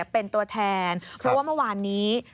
เป็นตัวแทนเพราะว่าเมื่อวานนี้